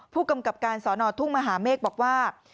ผู้กำกับการสอนอทุ่งมหาเมฆบอกว่า